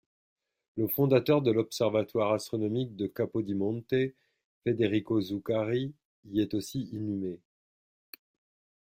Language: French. Le fondateur de l'observatoire astronomique de Capodimonte, Federico Zuccari, y est aussi inhumé.